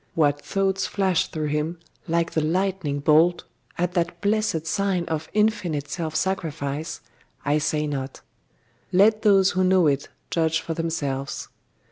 What thoughts flashed through him, like the lightning bolt, at that blessed sign of infinite self sacrifice, I say not; let those who know it judge for themselves.